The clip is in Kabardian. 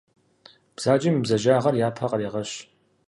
Бзаджэм и бзаджагъэр япэ кърегъэщ.